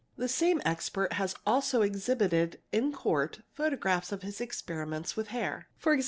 The same expert has also exhibited in Court photographs of his ex } periments with hair (e.g.